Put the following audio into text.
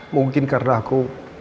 mungkin karena aku